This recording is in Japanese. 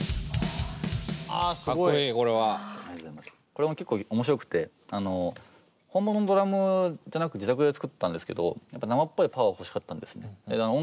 これも結構面白くて本物のドラムじゃなく自宅で作ったんですけどやっぱり生っぽいパワー欲しかったんですね。